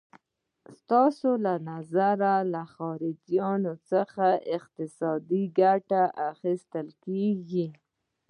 ستاسو له نظره له خلیجونو څخه اقتصادي ګټه اخیستل کېږي؟